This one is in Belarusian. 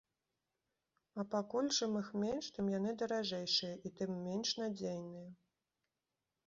А пакуль чым іх менш, тым яны даражэйшыя, і тым менш надзейныя.